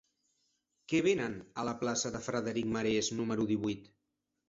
Què venen a la plaça de Frederic Marès número divuit?